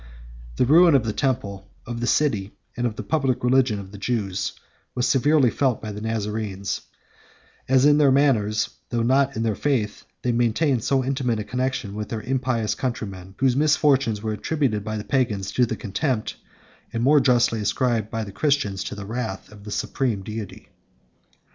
The ruin of the temple of the city, and of the public religion of the Jews, was severely felt by the Nazarenes; as in their manners, though not in their faith, they maintained so intimate a connection with their impious countrymen, whose misfortunes were attributed by the Pagans to the contempt, and more justly ascribed by the Christians to the wrath, of the Supreme Deity.